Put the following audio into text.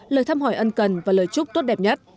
lời thăm hỏi ân cần và lời chúc tốt đẹp nhất